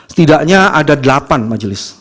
setidaknya ada delapan majelis